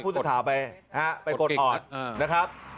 ผู้สื่อข่าวไปกดออดนะครับ